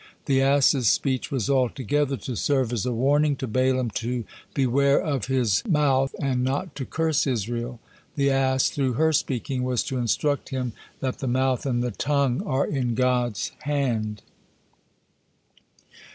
The ass's speech was altogether to serve as a warning to Balaam to beware of his mouth, and not to curse Israel. The ass, through her speaking, was to instruct him that the mouth and the tongue are in God's hand.